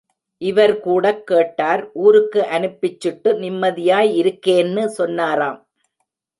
இவர் கூடக் கேட்டார் ஊருக்கு அனுப்பிச்சுட்டு நிம்மதியாய் இருக்கேன் னு சொன்னாராம்.